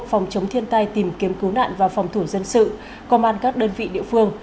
phòng chống thiên tai tìm kiếm cứu nạn và phòng thủ dân sự công an các đơn vị địa phương